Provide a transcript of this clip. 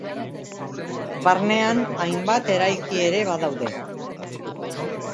Barnean hainbat eraiki ere badaude.